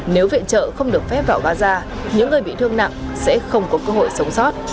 nếu viện trợ không được phép vào gaza những người bị thương nặng sẽ không có cơ hội sống sót